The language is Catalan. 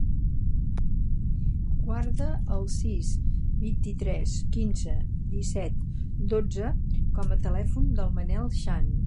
Guarda el sis, vint-i-tres, quinze, disset, dotze com a telèfon del Manel Shan.